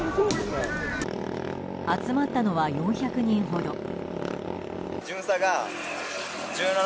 集まったのは４００人ほど。